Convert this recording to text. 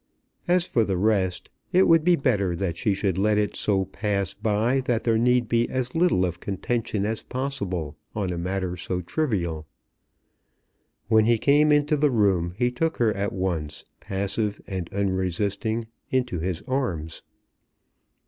As for the rest, it would be better that she should let it so pass by that there need be as little of contention as possible on a matter so trivial. When he came into the room he took her at once, passive and unresisting, into his arms.